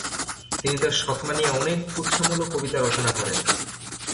তিনি তার সৎমা নিয়ে অনেক কুৎসামূলক কবিতা রচনা করেন।